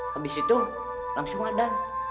habis itu langsung ada